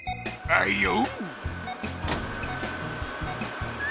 あいよ。